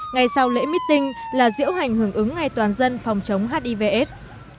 ngày sau lễ meeting là diễu hành hưởng ứng ngày toàn dân phòng chống hiv aids